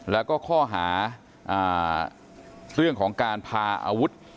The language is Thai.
แล้วก็ข้อหาเรื่องของการพาอาวุธ